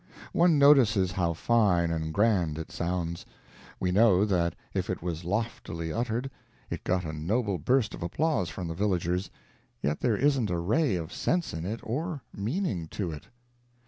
One notices how fine and grand it sounds. We know that if it was loftily uttered, it got a noble burst of applause from the villagers; yet there isn't a ray of sense in it, or meaning to it.